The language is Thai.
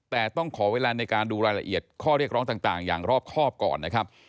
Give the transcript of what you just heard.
แต่ต้องขอเวลาในการดูรายละเอียดข้อเรียกร้องต่างอย่างรอบครอบก่อนนะครับ